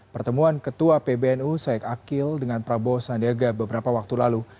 pertemuan ketua pbnu said akil dengan prabowo sandiaga beberapa waktu lalu